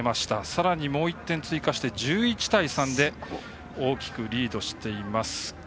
さらに、もう１点追加して１１対３で大きくリードしています。